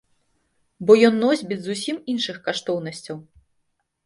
Бо ён носьбіт зусім іншых каштоўнасцяў.